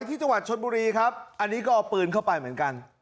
ที่จังหวัดชนบุรีครับอันนี้ก็เอาปืนเข้าไปเหมือนกัน